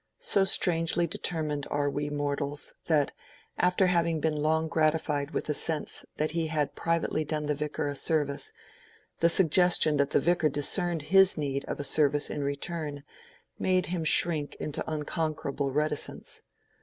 So strangely determined are we mortals, that, after having been long gratified with the sense that he had privately done the Vicar a service, the suggestion that the Vicar discerned his need of a service in return made him shrink into unconquerable reticence.